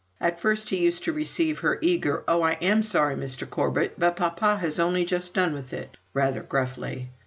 At first he used to receive her eager "Oh! I am so sorry, Mr. Corbet, but papa has only just done with it," rather gruffly.